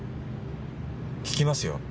聞きますよ